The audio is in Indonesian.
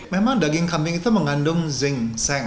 memang daging kambing itu mengandung zinc